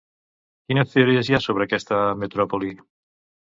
Quines teories hi ha sobre aquesta metròpoli?